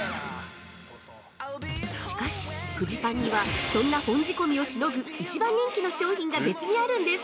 しかし、フジパンには、そんな本仕込をしのぐ、一番人気の商品が別にあるんです！